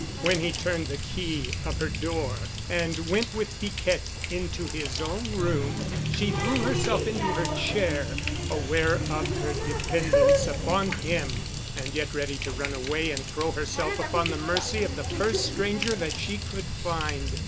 When he turned the key of her door and went with Piquette into his own room, she threw herself into her chair, aware of her dependence upon him, and yet ready to run away and throw herself upon the mercy of the first stranger that she could find.